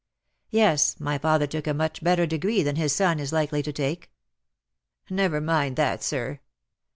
"Yes, my father took a much better degree than his son is likely to take." "Never mind that, sir.